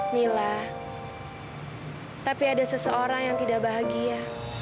mila tapi ada seseorang yang tidak bahagia